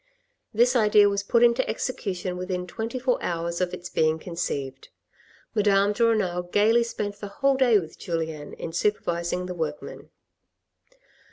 This idea was put into execution within twenty four hours of its being conceived. Madame de Renal gaily spent the whole day with Julien in supervising the workmen.